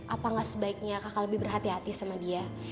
apakah sebaiknya kakak lebih berhati hati sama dia